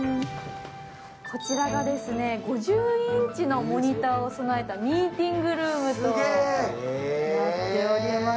こちらが５０インチのモニターを備えたミーティングルームとなっております。